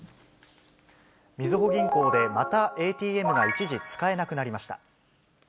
みずほ銀行でまたＡＴＭが一時、使えなくなりました。